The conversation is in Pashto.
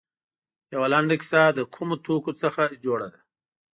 یوه لنډه کیسه له کومو توکو څخه جوړه ده.